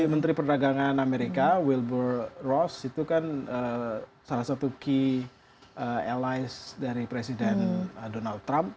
menteri perdagangan amerika wilbur ros itu kan salah satu key alice dari presiden donald trump